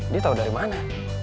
dia tau dari mana